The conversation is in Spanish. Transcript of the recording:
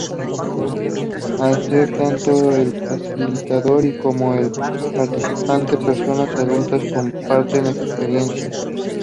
Al ser, tanto el facilitador y como el participante, personas adultas comparten experiencias.